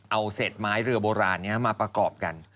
เอาเศษไม้เรือโบราณนี้มาประกอบกัน